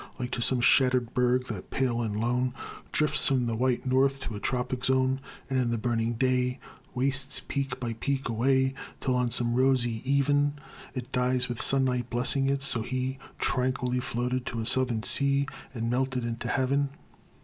Like to some shatter'd berg that, pale and lone, Drifts from the white North to a tropic zone, And in the burning day Wastes peak by peak away, Till on some rosy even It dies with sunlight blessing it; so he Tranquilly floated to a Southern sea, And melted into heaven.